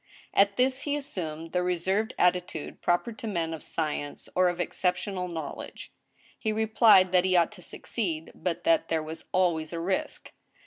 At this he assumed the reserved attitude proper to men of sci ence or of exceptional knowledge. He replied that he ought to suc ceed, but that there was always a risk.